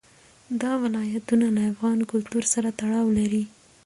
دا ولایتونه له افغان کلتور سره تړاو لري.